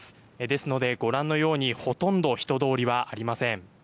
ですので、ご覧のようにほとんど人通りはありません。